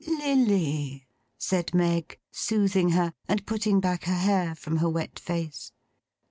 'Lilly!' said Meg, soothing her, and putting back her hair from her wet face.